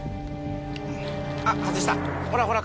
あっ外したほらほら